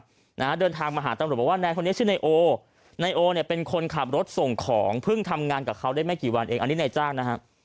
นะฮะเดินทางมาหาตำรวจบอกว่านายคนนี้ชื่อนายโอไนโอเนี่ยเป็นคนขับรถส่งของเพิ่งทำงานกับเขาได้ไม่กี่วันเองอันนี้นายจ้างนะฮะ